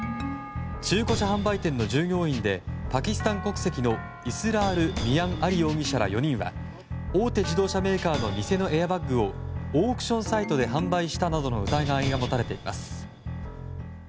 中古車販売店の従業員でパキスタン国籍のイスラール・ミアン・アリ容疑者ら４人は大手自動車メーカーの偽のエアバッグをオークションサイトで販売したなどの疑いが持たれています。